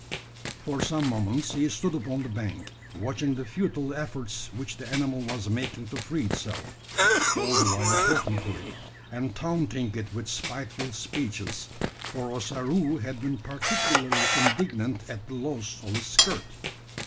For some moments he stood upon the bank, watching the futile efforts which the animal was making to free itself, all the while talking to it, and taunting it with spiteful speeches for Ossaroo had been particularly indignant at the loss of his skirt.